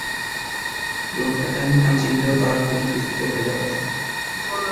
লোকটাকে আমি না চিনলেও তার কোন কিছুতে ভেজাল আছে।